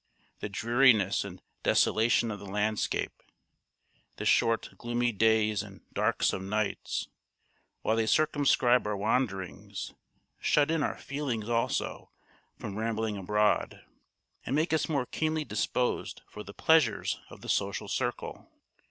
The dreariness and desolation of the landscape, the short gloomy days and darksome nights, while they circumscribe our wanderings, shut in our feelings also from rambling abroad, and make us more keenly disposed for the pleasures of the social circle.